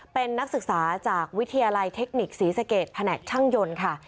เป็นนักศึกษาจากวิทยาลัยเทคนิคศรีสเกตแผนกช่างยนต์ค่ะ